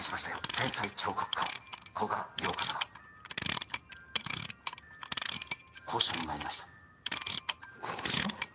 天才彫刻家・古賀洋子様交渉にまいりました交渉？